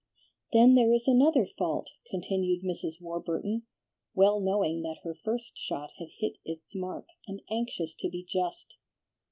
"Then there is another fault," continued Mrs. Warburton, well knowing that her first shot had hit its mark, and anxious to be just.